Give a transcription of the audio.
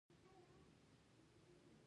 غریب د هرې دعا ژبه ده